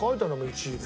１位で。